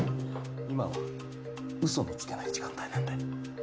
今は嘘のつけない時間帯なんで。